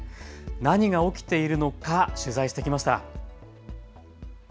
何が起きているのか取材してきました。